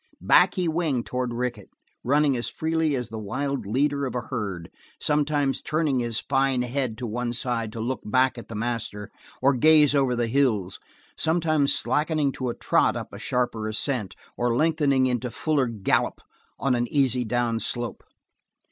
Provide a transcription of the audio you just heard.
Back he winged toward Rickett, running as freely as the wild leader of a herd, sometimes turning his fine head to one side to look back at the master or gaze over the hills, sometimes slackening to a trot up a sharper ascent or lengthening into a fuller gallop on an easy down slope.